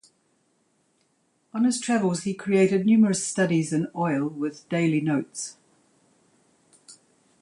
On his travels he created numerous studies in oil with daily notes.